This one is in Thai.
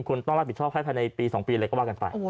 คุณต้องรับผิดชอบให้ภายในปี๒ปีอะไรก็ว่ากันไป